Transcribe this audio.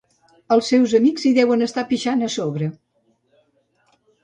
Els seus amics s'hi deuen estar pixant a sobre.